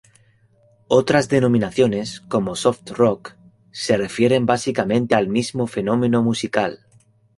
Otras denominaciones, como soft rock, se refieren básicamente al mismo fenómeno musical.